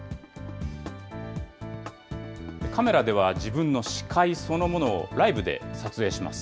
カメラでは自分の視界そのものをライブで撮影します。